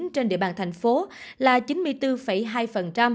trên địa bàn thành phố là chín mươi bốn hai